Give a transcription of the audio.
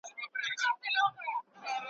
څو به لا په پټه له هینداري څخه سوال کوو ,